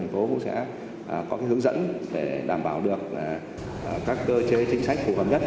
thành phố cũng sẽ có hướng dẫn để đảm bảo được các cơ chế chính sách phù hợp nhất